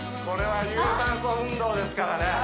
これは有酸素運動ですからね